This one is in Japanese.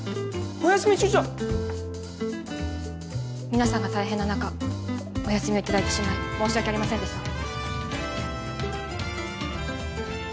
皆さんが大変な中お休みを頂いてしまい申し訳ありませんでした。